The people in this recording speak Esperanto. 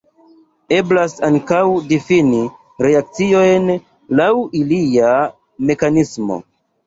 Eblas ankaŭ difini reakciojn laŭ ilia mekanismo.